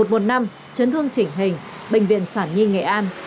một trăm một mươi năm chấn thương chỉnh hình bệnh viện sản nhi nghệ an